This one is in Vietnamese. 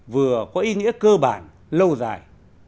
vừa có ý nghĩa cơ bản lâu dài